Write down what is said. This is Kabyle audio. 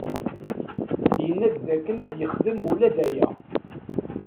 Yenna-d dakken ad yexdem ula d aya.